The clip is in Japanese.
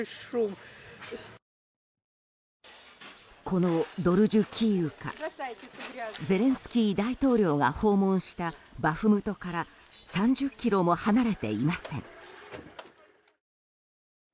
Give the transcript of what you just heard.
このドルジュキーウカゼレンスキー大統領が訪問したバフムトから３０ｋｍも離れていません。